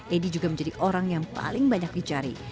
edi juga menjadi orang yang paling banyak dicari